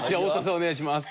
お願いします。